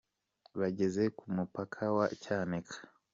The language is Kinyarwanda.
Bageze ku mupaka wa Cyanika.